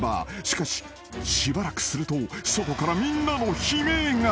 ［しかししばらくすると外からみんなの悲鳴が］